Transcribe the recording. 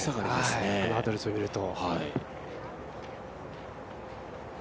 このアドレスを見ると。